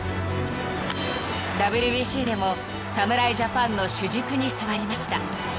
［ＷＢＣでも侍ジャパンの主軸に座りました］